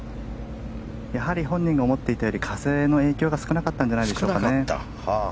本人が思っていたより風の影響が少なかったんでしょうかね。